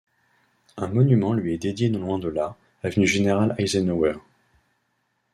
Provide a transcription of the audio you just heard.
Un monument lui est dédié non loin de là, avenue Général Eisenhower.